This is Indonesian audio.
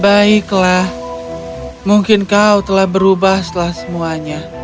baiklah mungkin kau telah berubah setelah semuanya